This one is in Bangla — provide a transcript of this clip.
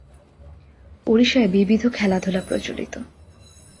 ওড়িশায় বিবিধ খেলাধুলা প্রচলিত।